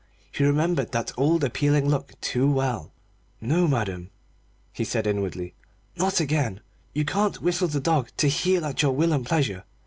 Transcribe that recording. He remembered that old appealing look too well. "No, Madam," he said inwardly, "not again! You can't whistle the dog to heel at your will and pleasure.